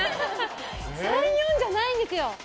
３、４じゃないんですよ